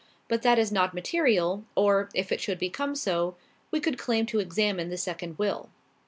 But that is not material, or, if it should become so, we could claim to examine the second will."